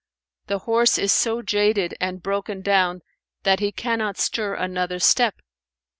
the horse is so jaded and broken down that he cannot stir another step."